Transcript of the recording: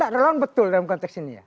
relawan betul dalam konteks ini ya